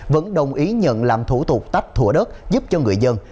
vẫn đồng ý nhận làm thủ tục tách thủa đất giúp cho người dân